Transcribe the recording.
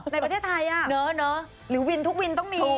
ในประเทศไทยหรือวินทุกวินต้องมี